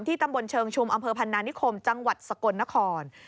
ตำบลเชิงชุมอำเภอพันนานิคมจังหวัดสกลนคร